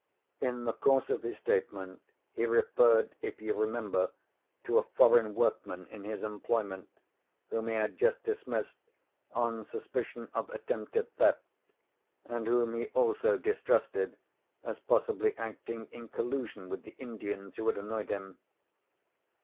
"In the course of his statement he referred, if you remember, to a foreign workman in his employment, whom he had just dismissed on suspicion of attempted theft, and whom he also distrusted as possibly acting in collusion with the Indians who had annoyed him.